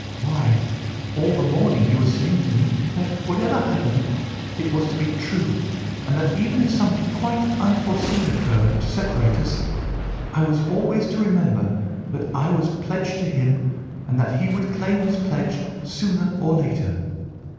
Why, all the morning he was saying to me that, whatever happened, I was to be true; and that even if something quite unforeseen occurred to separate us, I was always to remember that I was pledged to him, and that he would claim his pledge sooner or later.